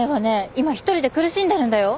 今一人で苦しんでるんだよ？